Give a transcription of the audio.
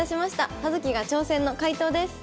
「葉月が挑戦！」の解答です。